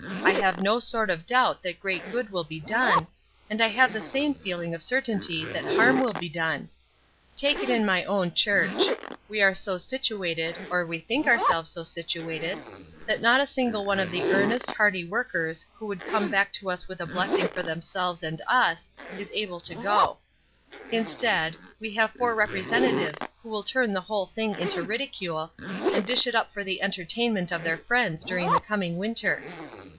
I have no sort of doubt that great good will be done, and I have the same feeling of certainty that harm will be done. Take it in my own church. We are so situated, or we think ourselves so situated, that not a single one of the earnest, hearty workers who would come back to us with a blessing for themselves and us, is able to go; instead, we have four representatives who will turn the whole thing into ridicule, and dish it up for the entertainment of their friends during the coming winter.